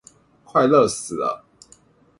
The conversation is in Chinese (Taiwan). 快熱死了